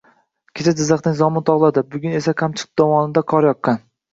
Kecha Jizzaxning Zomin togʻlarida, bugun esa Qamchiq dovonida qor yoqqan.